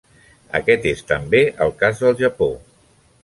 Aquest és també el cas del Japó.